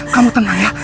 kamu tenang ya